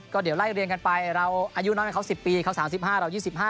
และไล่เลียนกันไปเรายูน้อยเขา๑๐ปีเขา๓๕เรา๒๕